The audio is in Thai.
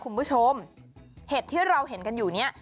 คุณผู้ชมเห็ดที่เราเห็นกันอยู่เนี่ย